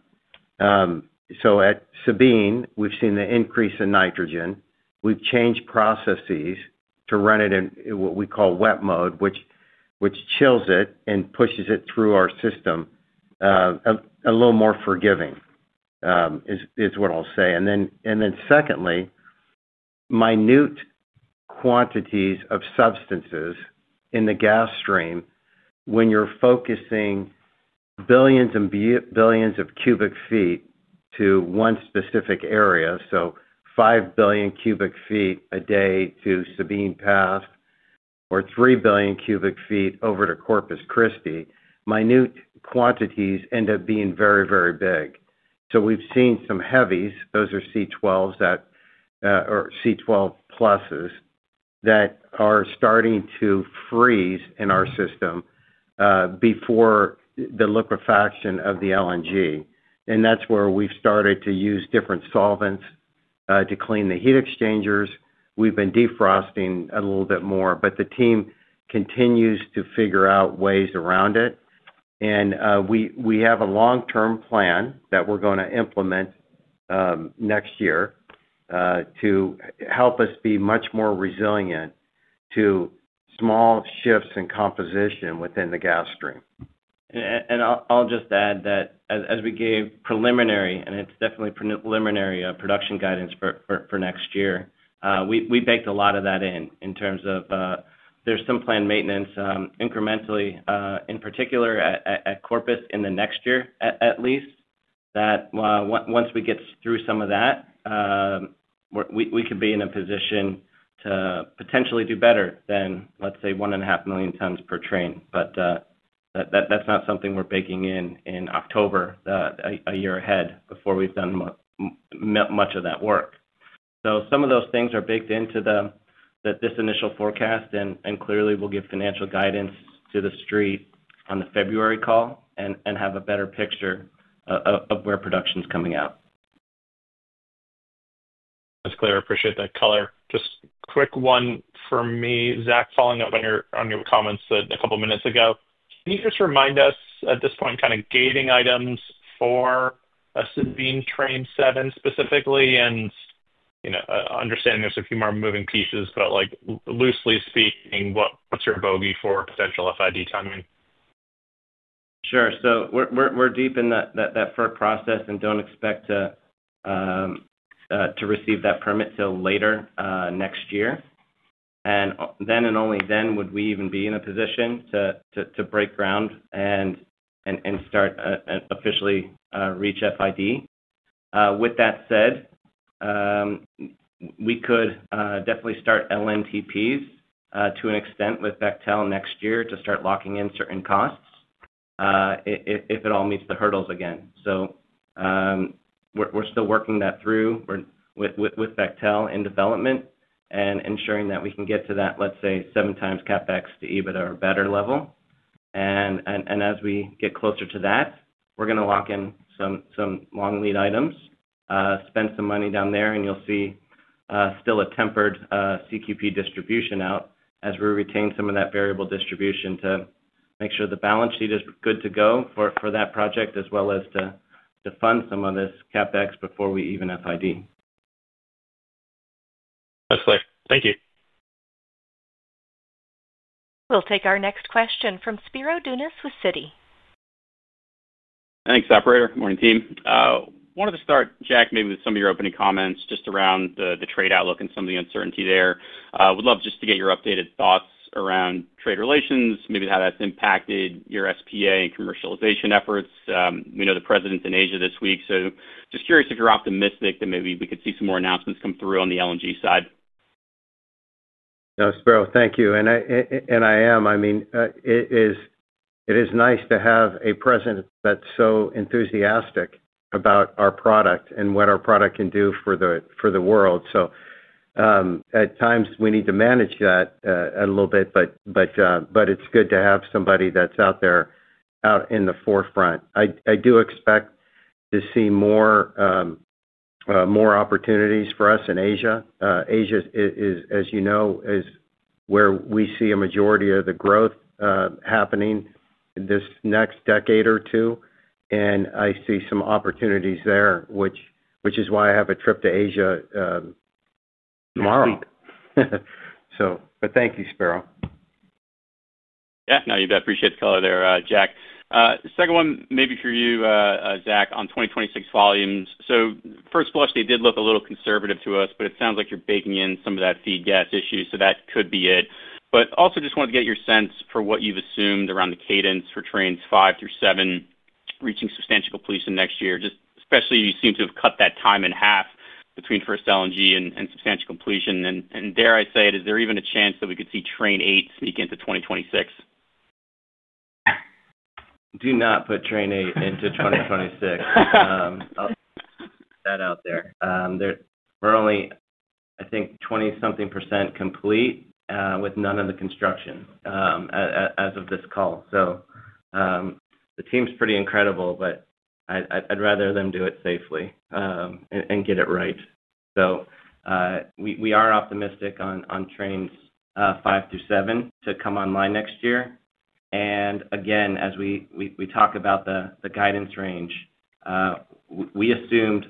At Sabine, we've seen the increase in nitrogen. We've changed processes to run it in what we call wet mode, which chills it and pushes it through our system a little more forgiving is what I'll say. Secondly, minute quantities of substances in the gas stream when you're focusing billions and billions of cubic feet to one specific area. 5 billion cu ft a day to Sabine Pass or 3 billion cu ft over to Corpus Christi. Minute quantities end up being very, very big. We've seen some heavies. Those are C12s or C12 pluses that are starting to freeze in our system before the liquefaction of the LNG. That's where we've started to use different solvents to clean the heat exchangers. We've been defrosting a little bit more, but the team continues to figure out ways around it. We have a long-term plan that we're going to implement next year to help us be much more resilient to small shifts in composition within the gas stream. As we gave preliminary, and it's definitely preliminary, production guidance for next year, we baked a lot of that in in terms of there's some planned maintenance incrementally, in particular at Corpus, in the next year. At least once we get through some of that, we could be in a position to potentially do better than, let's say, 1.5 million tons per train. That's not something we're baking in in October a year ahead before we've done much of that work. Some of those things are baked into this initial forecast. Clearly, we'll give financial guidance to the street on the February call and have a better picture of where production is coming out. That's clear. I appreciate that. Color. Just a quick one for me, Zach, following up on your comments a couple minutes ago. Can you just remind us at this point kind of gating items for a Sabine Train 7 specifically, and understanding there's a few more moving pieces, but loosely speaking, what's your bogey for potential FID timing? Sure. We're deep in that FERC process and don't expect to receive that permit till later next year. Then and only then would we even be in a position to break ground and officially reach FID. With that said, we could definitely start LNTPs to an extent with Bechtel next year to start locking in certain costs if it all meets the hurdles again. We're still working that through with Bechtel in development and ensuring that we can get to that, let's say, 7x CapEx to EBITDA or better level. As we get closer to that, we're going to lock in some long lead items, spend some money down there, and you'll see still a tempered CQP distribution out as we retain some of that variable distribution to make sure the balance sheet is good to go for that project as well as to fund some of this CapEx before we even FID. Thank you. We'll take our next question from Spiro Dounis with Citi. Thanks, Operator. Morning, team. Wanted to start, Jack, maybe with some of your opening comments just around the trade outlook and some of the uncertainty there. I would love just to get your updated thoughts around trade relations, maybe how that's impacted your SPA and commercialization efforts. We know the President in Asia this week, so just curious if you're optimistic that maybe we could see some more announcements come through on the LNG side. Spiro, thank you. I mean, it is nice to have a President that's so enthusiastic about our product and what our product can do for the world. At times we need to manage that a little bit, but it's good to have somebody that's out there, out in the forefront. I do expect to see more opportunities for us in Asia. Asia, as you know, is where we see a majority of the growth happening this next decade or two. I see some opportunities there, which is why I have a trip to Asia tomorrow. Thank you, Spiro. Yeah, you bet. Appreciate the color there, Jack. Second one maybe for you, Zach, on 2026 volumes. At first flush, they did look a little conservative to us, but it sounds like you're baking in some of that. Feed gas issue. That could be it. I also just wanted to get your sense for what you've assumed around the cadence for Trains 5 through 7 reaching substantial completion next year. Especially, you seem to have cut that time in half between first LNG and substantial completion. Dare I say it, is there even a chance that we could see Train 8 sneak into 2026? Do not put Train 8 into 2026 out there. We're only, I think, 20-something percent complete with none of the construction as of this call. The team's pretty incredible, but I'd rather them do it safely and get it right. We are optimistic on Trains 5 through 7 to come online next year. As we talk about the guidance range, we assumed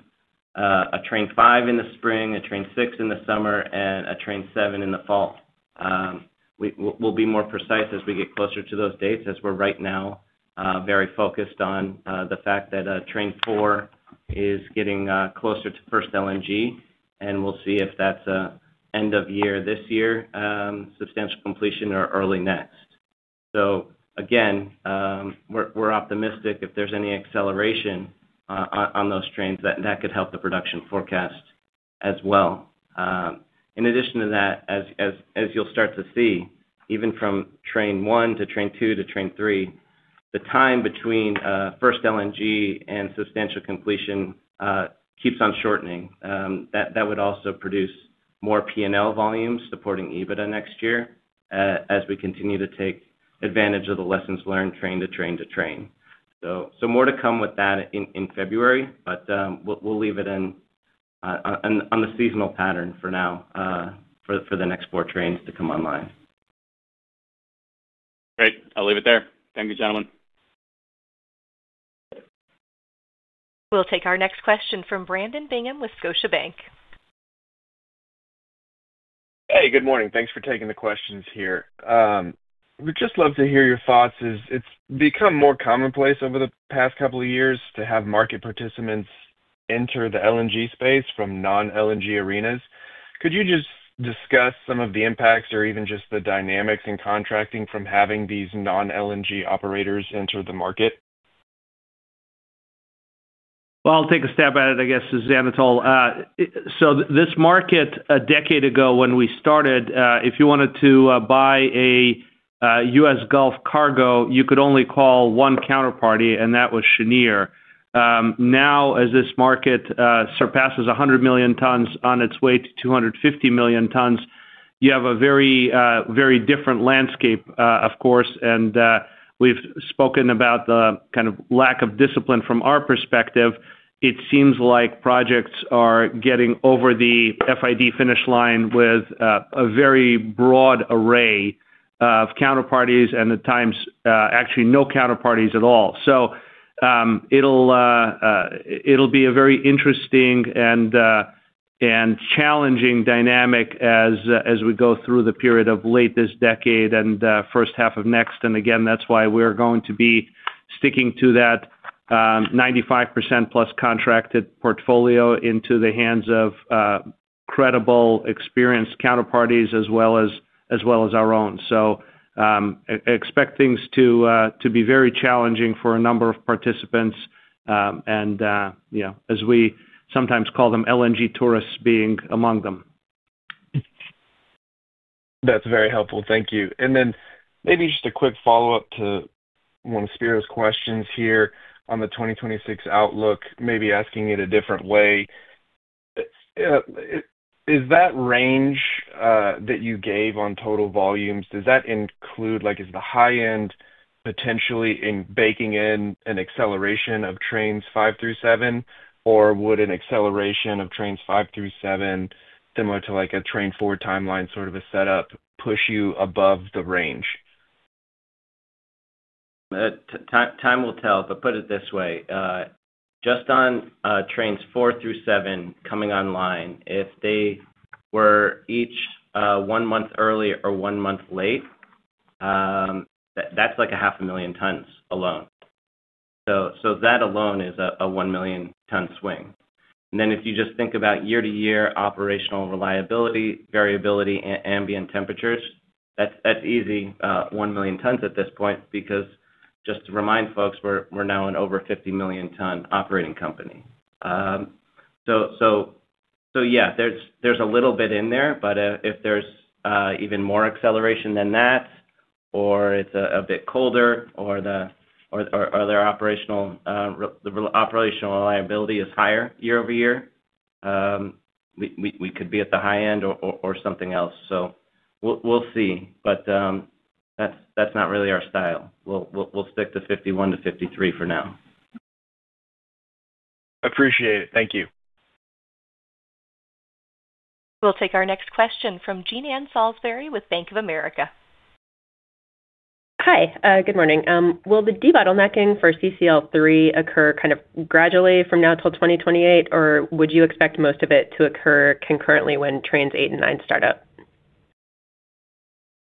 a Train 5 in the spring, a Train 6 in the summer, and a Train 7 in the fall. We'll be more precise as we get closer to those dates, as we're right now very focused on the fact that Train 4 is getting closer to first LNG, and we'll see if that's end of year this year, substantial completion, or early next. We are optimistic if there's any acceleration on those trains that could help the production forecast as well. In addition to that, as you'll start to see, even from Train 1 to Train 2 to Train 3, the time between first LNG and substantial completion keeps on shortening. That would also produce more P&L volumes supporting EBITDA next year as we continue to take advantage of the lessons learned train to train to train. More to come with that in February, but we'll leave it in on the seasonal pattern for now for the next four trains to come online. Great. I'll leave it there. Thank you, gentlemen. We'll take our next question from Brandon Bingham with Scotiabank. Hey, good morning. Thanks for taking the questions here. We'd just love to hear your thoughts. It's become more commonplace over the past couple of years to have market participants. Enter the LNG space from non-LNG arenas. Could you just discuss some of the. Impacts or even just the dynamics in contracting from having these non-LNG operators enter the market? I'll take a stab at it, I guess, Anatol. This market, a decade ago when we started, if you wanted to buy a U.S. Gulf cargo, you could only call one counterparty and that was Cheniere. Now, as this market surpasses 100 million tons on its way to 250 million tons, you have a very, very different landscape. Of course, we've spoken about the kind of lack of discipline. From our perspective, it seems like projects are getting over the FID finish line with a very broad array of counterparties and at times actually no counterparties at all. It will be a very interesting and challenging dynamic as we go through the period of late this decade and first half of next. That's why we are going to be sticking to that 95%+ contracted portfolio into the hands of credible, experienced counterparties as well as our own. Expect things to be very challenging for a number of participants and, as we sometimes call them, LNG tourists being among them. That's very helpful, thank you. Maybe just a quick follow-up to one of Spiro's questions here on the 2026 outlook, maybe asking it a different way. Is that range that you gave on? Total volumes, does that include, like, is. The high end potentially in baking in an acceleration of Trains 5 through 7. Would an acceleration of Trains 5 through 7 be similar to a Train 4? Timeline, sort of a setup push you above the range? Time will tell. Put it this way, just on Trains 4 through 7 coming online, if they were each one month early or one month late, that's like half a million tons alone. That alone is a 1 million ton swing. If you just think about year-to-year operational reliability, variability, ambient temperatures, that's easily 1 million tons at this point. Just to remind folks, we're now an over 50 million ton operating company. There's a little bit in there, but if there's even more acceleration than that or it's a bit colder, or the operational reliability is higher year-over-year, we could be at the high end or something else. We'll see. That's not really our style. We'll stick to 51 to 53 for now. Appreciate it. Thank you. We'll take our next question from Jean Ann Salisbury with Bank of America. Hi, good morning. Will the debottlenecking for CCL3 occur kind of gradually from now till 2028, or would you expect most of it to occur concurrently when Trains 8 and 9 start-up?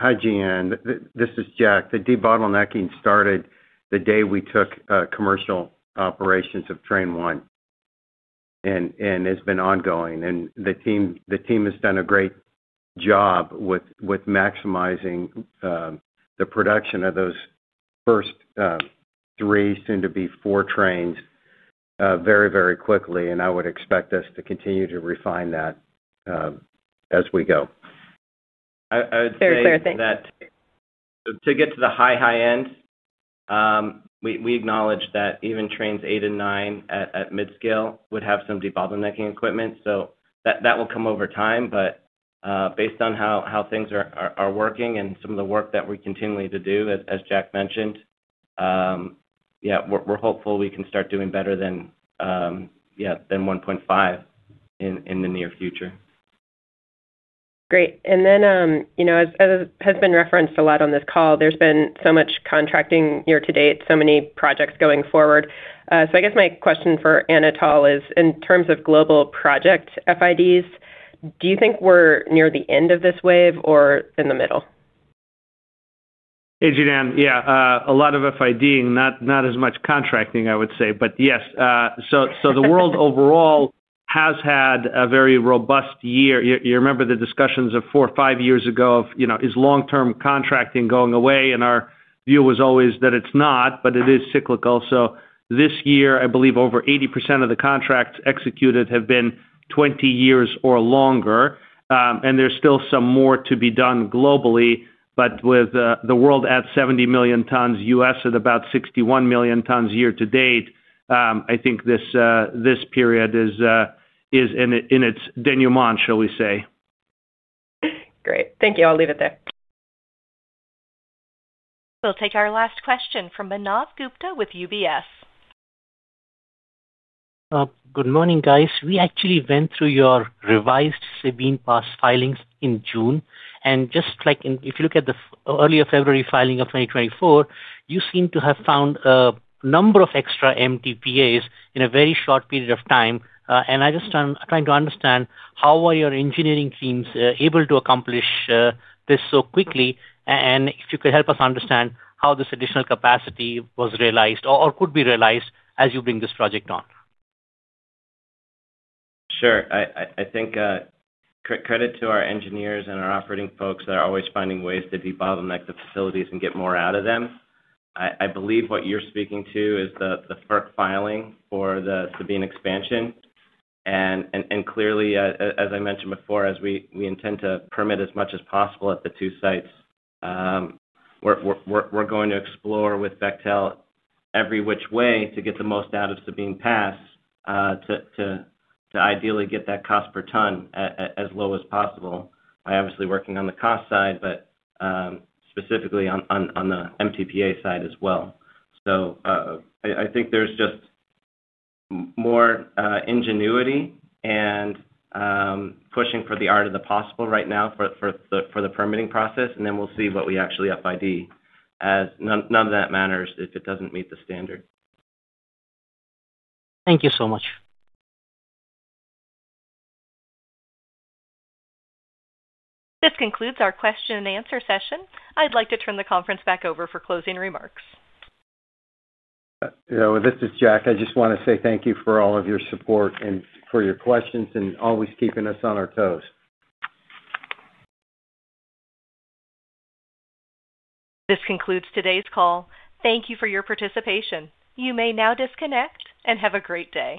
Hi Jean, this is Jack. The debottlenecking started the day we took commercial operations of Train 1 and has been ongoing. The team has done a great job with maximizing the production of those first three, soon to be four, trains very, very quickly. I would expect us to continue to refine that as we go. Through that to get to the high, high end. We acknowledge that even Trains 8 and 9 at mid-scale would have some debottlenecking equipment. That will come over time. Based on how things are working and some of the work that we are continuing to do, as Jack mentioned, we're hopeful we can start doing better than 1.5 in the near future. Great. As has been referenced a lot on this call, there's been so much contracting year-to-date, so many projects going forward. I guess my question for Anatol is, in terms of global project FIDs, do you think we're near the end of this wave or in the middle again? Yeah, a lot of FID-ing, not as much contracting I would say, but yes. The world overall has had a very robust year. You remember the discussions of four or five years ago of is long-term contracting going away and our view was always that it's not, but it is cyclical. This year I believe over 80% of the contracts executed have been 20 years or longer. There's still some more to be done globally, with the world at 70 million tons, U.S. at about 61 million tons year-to-date. I think this period is in its denouement, shall we say. Great, thank you. I'll leave it there. We'll take our last question from Manav Gupta with UBS. Good morning, guys. We actually went through your revised Sabine Pass filings in June. If you look at the earlier February filing of 2024, you seem to have found a number of extra MTPAs in a very short period of time. I'm just trying to understand how your engineering teams are able to accomplish this so quickly, and if you could help us understand how this additional capacity was realized or could be realized as you bring this project on. Sure. I think credit to our engineers and our operating folks that are always finding ways to debottleneck the facilities and get more out of them. I believe what you're speaking to is the FERC filing for the Sabine expansion. Clearly, as I mentioned before, we intend to permit as much as possible at the two sites. We're going to explore with Bechtel every which way to get the most out of Sabine Pass to ideally get that cost per ton as low as possible by obviously working on the cost side, but specifically on the MTPA side as well. So. I think there's just more ingenuity and pushing for the art of the possible right now for the permitting process, and then we'll see what we actually FID as. None of that matters if it doesn't meet the standard. Thank you so much. This concludes our question-and-answer session. I'd like to turn the conference back over for closing remarks. This is Jack. I just want to say thank you for all of your support, for your questions, and always keeping us on our toes. This concludes today's call. Thank you for your participation. You may now disconnect and have a great day.